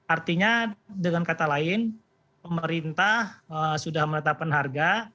artinya dengan kata lain pemerintah sudah menetapkan harga